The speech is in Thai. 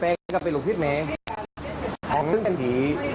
อ๋อพี่แป้งก็เป็นลูกทิศไหมอ๋อของลูกสิทธิ์